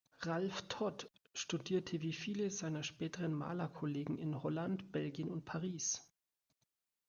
Ralph Todd studierte wie viele seiner späteren Malerkollegen in Holland, Belgien und Paris.